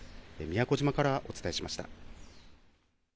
宮古島からお伝えしました。